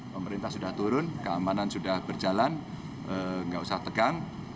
keamanan sudah turun keamanan sudah berjalan enggak usah tegang